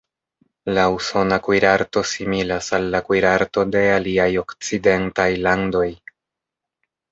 La usona kuirarto similas al la kuirarto de aliaj okcidentaj landoj.